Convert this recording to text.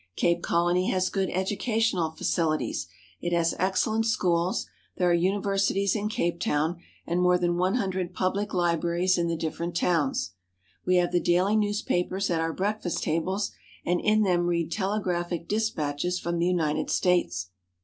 Cape Colony has good educational facilities. It has excel lent schools; there are universities in Cape Town, and more than one hundred public libraries in the different towns. We have the daily newspapers at our breakfast tables, and in them read telegraphic dispatches from the United States.